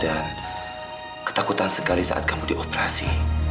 dan ketakutan sekali saat kamu dioperasi